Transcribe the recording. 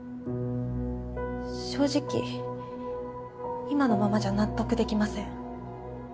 正直今のままじゃ納得できません。